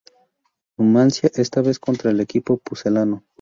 Numancia, esta vez contra el equipo pucelano.